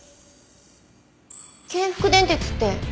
京福電鉄って。